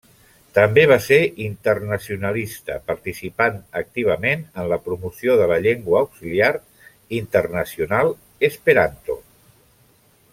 També va ser internacionalista, participant activament en la promoció de la llengua auxiliar internacional esperanto.